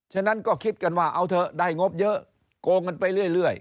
ฉะนั้นก็คิดกันว่าเอาเถอะได้งบเยอะโกงกันไปเรื่อย